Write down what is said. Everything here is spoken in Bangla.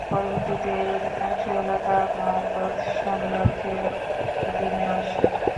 পরবর্তীতে এর অধিকাংশ এলাকা মগধ সাম্রাজ্যের অধীনে আসে।